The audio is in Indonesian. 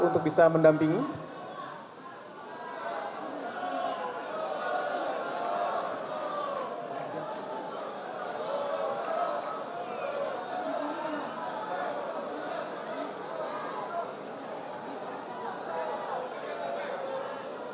untuk berkongsi tentang hal tersebut